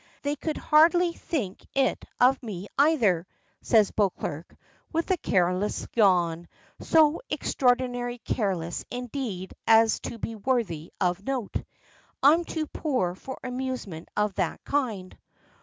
They could hardly think it of me either," says Beauclerk, with a careless yawn, so extraordinarily careless indeed as to be worthy of note. "I'm too poor for amusement of that kind."